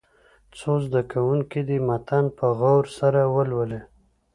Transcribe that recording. څو زده کوونکي دې متن په غور سره ولولي.